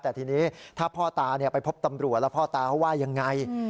แต่ทีนี้ถ้าพ่อตาไปพบตำรวจแล้วพ่อตาเขาว่ายังไง